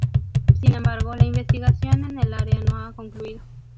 Sin embargo, la investigación en el área no ha concluido.